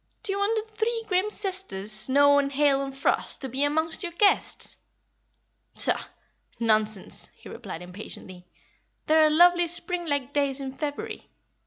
Do you want the three grim sisters, snow and hail and frost, to be among your guests?" "Pshaw! nonsense!" he replied, impatiently. "There are lovely spring like days in February.